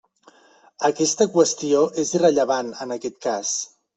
Aquesta qüestió és irrellevant en aquest cas.